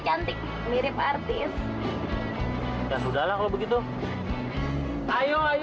jadi percaya aja cowsok saya